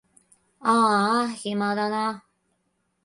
あーあ暇だな